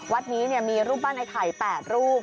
วัดนี้เนี่ยมีรูปบ้านไอ้ไข่๘รูป